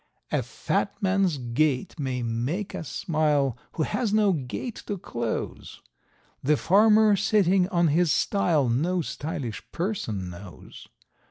A fat man's gait may make us smile, who has no gate to close; The farmer, sitting on his stile no _sty_lish person knows.